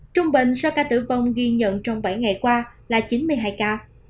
trung bình số ca tử vong ghi nhận trong bảy ngày qua là chín mươi hai ca